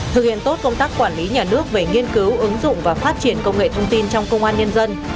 thực hiện tốt công tác quản lý nhà nước về nghiên cứu ứng dụng và phát triển công nghệ thông tin trong công an nhân dân